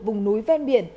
vùng núi ven biển